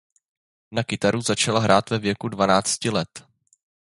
Na kytaru začal hrát ve věku dvanácti let.